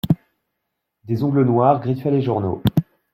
Des ongles noirs griffaient les journaux.